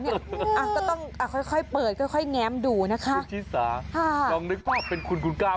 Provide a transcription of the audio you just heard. อ่ะก็ต้องค่อยเปิดค่อยแง้มดูนะคะ